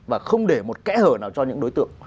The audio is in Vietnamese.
và không để một kẽ hở nào cho những đối tượng